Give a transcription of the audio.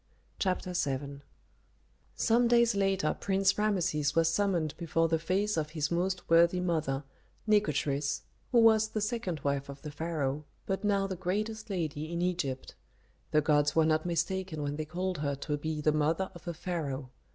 CHAPTER VII Some days later Prince Rameses was summoned before the face of his most worthy mother, Nikotris, who was the second wife of the pharaoh, but now the greatest lady in Egypt. The gods were not mistaken when they called her to be the mother of a pharaoh.